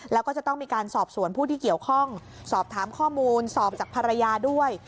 แล้วก็จะต้องมีการสอบสวนผู้ที่เกี่ยวข้องสอบถามข้อมูลสอบจากภรรยาด้วย